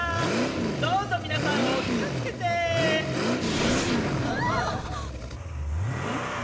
どうぞ皆さんお気をつけてうん？